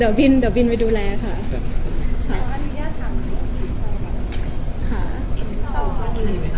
มากขึ้นบ่อยขึ้นเป็นดูแลครับคุณหนูด้วย